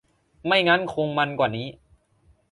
ไม่งั้นคงมันกว่านี้